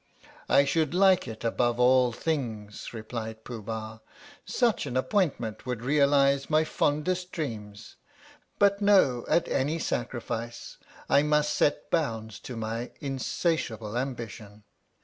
" I should like it above all things," replied Pooh Bah. " Such an appointment would realize my fondest dreams. But no at any sacrifice I must set bounds to my insatiable ambition